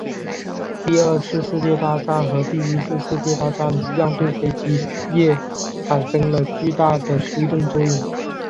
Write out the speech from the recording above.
第二次世界大战和第一次世界大战一样对飞机业产生了巨大的推动作用。